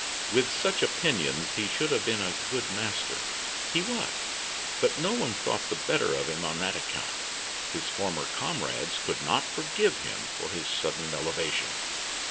With such opinions he should have been a good master; he was, but no one thought the better of him on that account. His former comrades could not forgive him for his sudden elevation.